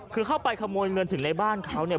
คือเข้าไปขโมยเงินถึงในบ้านเขาเนี่ย